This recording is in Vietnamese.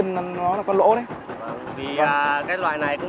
mùi nhiên liệu